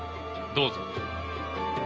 どうぞ。